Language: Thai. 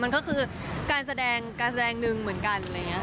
มันก็คือการแสดงหนึ่งเหมือนกัน